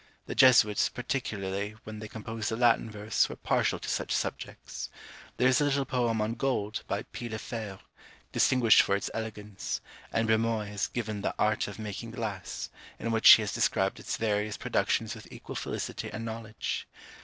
The Jesuits, particularly when they composed in Latin verse, were partial to such subjects. There is a little poem on Gold, by P. Le Fevre, distinguished for its elegance; and Brumoy has given the Art of making Glass; in which he has described its various productions with equal felicity and knowledge.